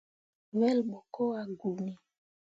Wel ɓo ko ah guuni.